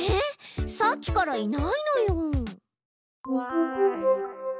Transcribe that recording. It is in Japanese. さっきからいないのよ。